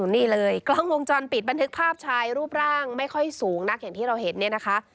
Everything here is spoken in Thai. นี่เลยกล้องวงจรปิดบันทึกภาพชายรูปร่างไม่ค่อยสูงนักอย่างที่เราเห็นเนี่ยนะคะ